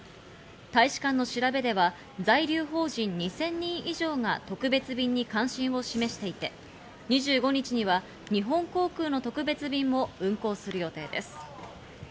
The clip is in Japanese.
大使館の調べでは在留邦人２０００人以上が特別便に関心を示していて、２５日には日本航空の特別便も運航する予定です。